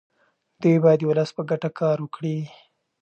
دوی باید د ولس په ګټه کار وکړي.